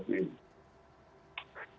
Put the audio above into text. sambil mengingat tundal ya